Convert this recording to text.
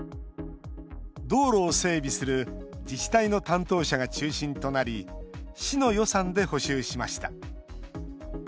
道路を整備する自治体の担当者が中心となり市の予算で補修しました。